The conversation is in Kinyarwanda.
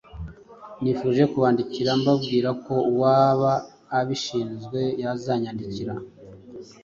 nifuje kubandikira mbabwira ko uwaba abishinzwe yazanyandikira